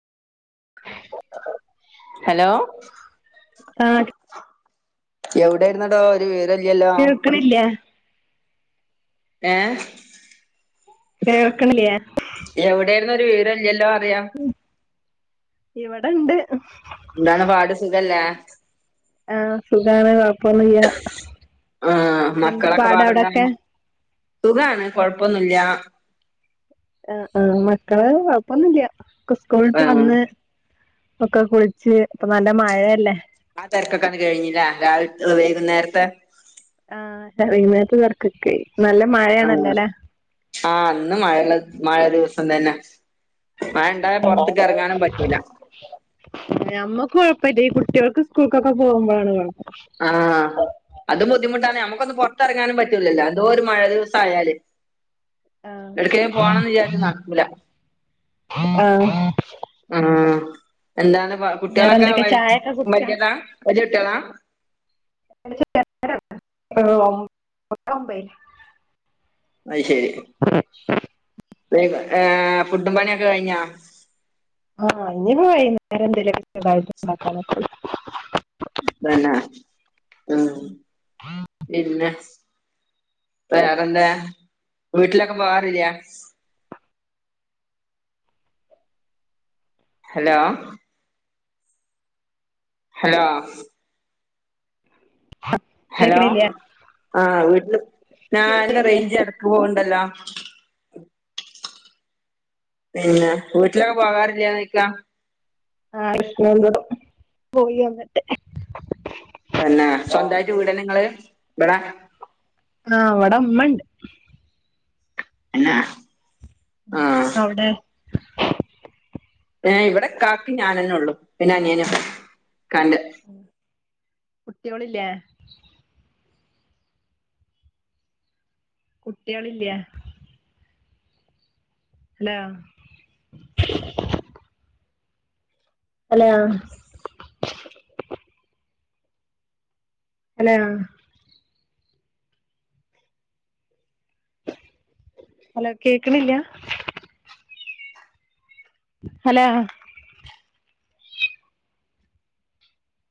Hello ആഹ് ഒടെയിരുന്നടോ ഒരു വിവ കേൾക്കിണില്ലെ ഏ കേൾക്കണില്ലേ എവിടായിരുന്നു ഒരു വിവരോലല്ലോ ഇവിടെണ്ട് എന്താണ് പാട് സുഖല്ലേ ആ സുഖാണ് കൊഴപ്പൊന്നുല്യ ആ എന്താ മക്കളൊക്കെ പാട് പാടെന്താ അവിടൊക്കെ സുഖാണ് കൊഴപ്പൊന്നുല്യ ആ ആ മക്കൾ കൊഴപ്പൊന്നുല്ല ഒക്കെ സ്കൂളിട്ട് ആ വന്ന്. ഒക്കെ കുളിച്ച് ഇപ്പംനല്ല മഴയല്ലേ ആ തിരക്കൊകണ്ട് കഴിഞ്ഞുലെ വൈകുന്നേരത്തെ ആ [unintelligible] ആ ആ ഇന്ന് മഴ മഴ ദിവസം തന്നെ മഴ ഉണ്ടായ ആ പുറത്തേക്ക് ഇറങ്ങാനും [inaudible] പറ്റൂല ഞമ്മക്ക് കൊഴപ്പല്ല ഈ കുട്ടിയോൾക്ക് സ്കൂൾക്കൊക്കെ പോകുമ്പോണ് കൊഴപ്പം ആ അതും [unintelligible] പുറത്തിറങ്ങാനും പറ്റൂലല്ലോ എന്തോരു മഴ ദിവസായാല് എടുക്കേലും ആഹ് പോണംന്ന് വിചാരിച്ച നടക്കുല. ആഹ് എന്താന്ന് കുട്ടികളൊക്കെ വേറെന്തൊക്കെ ചായൊക്കെ കുടിച്ചാ വല്യയതാ? വല്യ കൂട്ട്യാള? ഒമ്പേൽ [unintelligible] [unintelligible] ഫുഡ്ടും പണിയൊക്കെ കഴിഞ്ഞാ? ഇനിപ്പോ വൈകുന്നേരം എന്തേ ലൊക്കെണ്ടാക്ക. അതന്നെ ഉ പിന്നെ വേറെന്താ വീട്ടിലൊക്കെ പോവാറില്ല? ഹലോ ഹലോ [inaudible] ഹലോ കേക്കണില്ലേ ആ വീട്ടില് ഞാൻ ഇല്ല കേട്ടില്ലേ റേഞ്ച് എടക്ക് പോവ്ണ്ട്. [unintelligible] പിന്നെ വീട്ടിലൊക്കെ പോകാറിലേന്ന് ചോയിക്ക? ആഹ [unintelligible] പോയി വന്നിട്ട്. പിന്നെ ആ സ്വന്തമായിട്ട് വീടെന്നെങ്ങള് ഇബിടെ? ആഹ് ഇവടമ്മണ്ട്. [unintelligible] ആഹ് അവിടെ? ഇവിടെ കാക്കി ഞാനന്നെ ഒള്ളു പിന്നെ അനിയനും ഇക്കാന്റെ. കുട്ടിയോളില്ലേ? കുട്ടികളില്ല. ഹലോ അലോ അലോ ഹലോ കേക്കണില്ല. ഹലോ